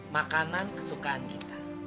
makanan kesukaan kita